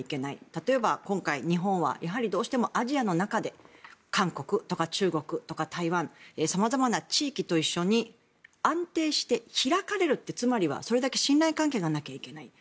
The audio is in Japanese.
例えば今回の日本はアジアの中で韓国とか中国とか台湾様々な地域と一緒に安定して開かれるってつまりそれだけ信頼関係がないといけない。